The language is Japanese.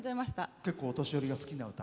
結構、お年寄りが好きな歌？